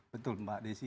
betul mbak desi